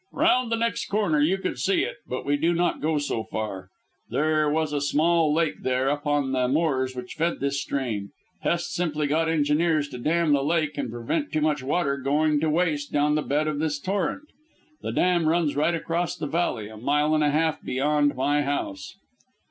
"Round the next corner you could see it, but we do not go so far. There was a small lake there up on the moors which fed this stream. Hest simply got engineers to dam the lake and prevent too much water going to waste down the bed of this torrent. The dam runs right across the valley a mile and a half beyond my house."